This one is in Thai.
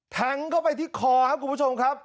แทงเข้าไปที่คอครับคุณผู้ชมครับ